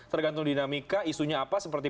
tergantung dinamika isunya apa seperti